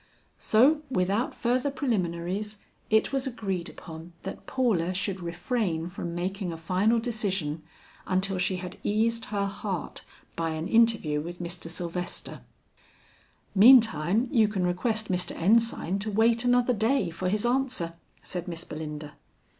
So without further preliminaries, it was agreed upon that Paula should refrain from making a final decision until she had eased her heart by an interview with Mr. Sylvester. "Meantime, you can request Mr. Ensign to wait another day for his answer," said Miss Belinda.